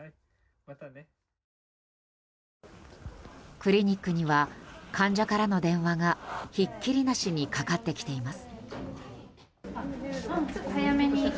クリニックには患者からの電話がひっきりなしにかかっています。